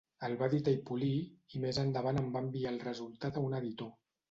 El va editar i polir i més endavant en va enviar el resultat a un editor.